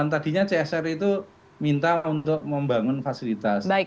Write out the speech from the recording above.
tadinya csr itu minta untuk membangun fasilitas